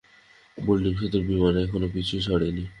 Blue team, শত্রু বিমান এখনো পিছু ছাড়েনি।